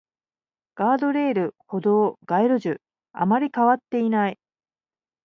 ガードレール、歩道、街路樹、あまり変わっていない